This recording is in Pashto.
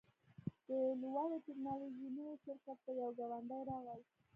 د لوړې ټیکنالوژۍ نوي شرکت ته یو ګاونډی راغی